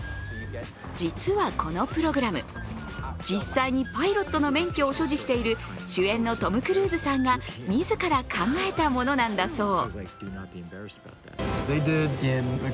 実は、このプログラム実際にパイロットの免許を所持している主演のトム・クルーズさんが自ら考えたものなんだそう。